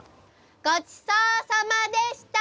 ごちそうさまでした！